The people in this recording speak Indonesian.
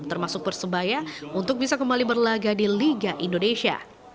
termasuk persebaya untuk bisa kembali berlaga di liga indonesia